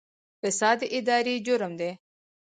فساد اداري جرم دی